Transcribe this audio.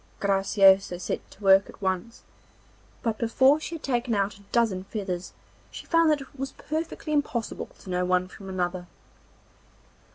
Graciosa set to work at once, but before she had taken out a dozen feathers she found that it was perfectly impossible to know one from another.